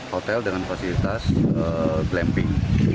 hotel dengan fasilitas glamping